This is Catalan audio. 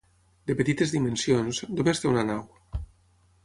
De petites dimensions, només té una nau.